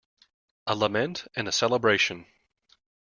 A lament and a celebration.